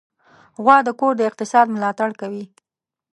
غوا د کور د اقتصاد ملاتړ کوي.